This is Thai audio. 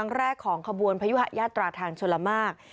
ในเวลาเดิมคือ๑๕นาทีครับ